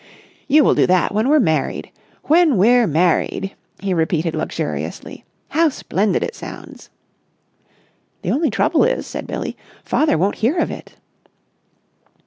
"You will do that when we're married. When we're married!" he repeated luxuriously. "How splendid it sounds!" "The only trouble is," said Billie, "father won't hear of it."